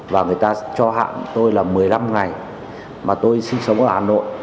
và người ta cho hạn tôi là một mươi năm ngày mà tôi sinh sống ở hà nội